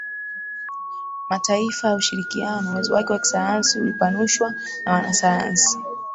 mataifa ya ushirikiano Uwezo wake wa kisayansi ulipanushwa na wanasayansi